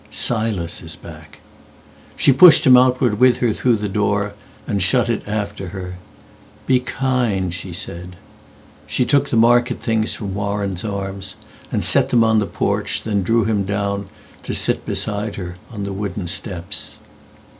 "Silas is back."She pushed him outward with her through the doorAnd shut it after her. "Be kind," she said. She took the market things from Warren's armsAnd set them on the porch, then drew him downTo sit beside her on the wooden steps.